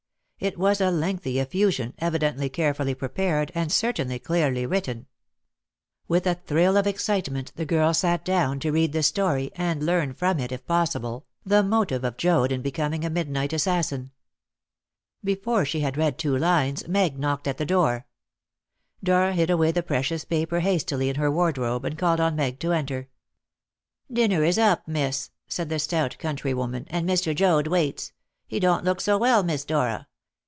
It was a lengthy effusion, evidently carefully prepared, and certainly clearly written. With a thrill of excitement the girl sat down to read the story, and learn from it, if possible, the motive of Joad in becoming a midnight assassin. Before she had read two lines, Meg knocked at her door. Dora hid away the precious paper hastily in her wardrobe, and called on Meg to enter. "Dinner is up, miss," said the stout countrywoman, "and Mr. Joad waits. He don't look well, Miss Dora.